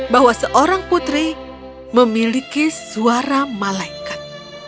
bahwa seorang putri memiliki suara malaikat